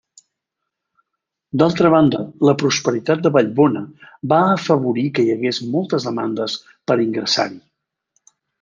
D'altra banda, la prosperitat de Vallbona va afavorir que hi hagués moltes demandes per ingressar-hi.